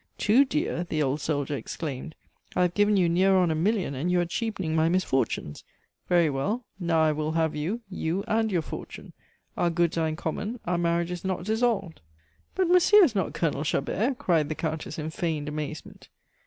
"Too dear!" the old soldier exclaimed. "I have given you near on a million, and you are cheapening my misfortunes. Very well; now I will have you you and your fortune. Our goods are in common, our marriage is not dissolved " "But monsieur is not Colonel Chabert!" cried the Countess, in feigned amazement.